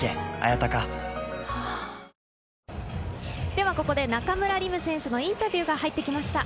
ではここで中村輪夢選手のインタビューが入ってきました。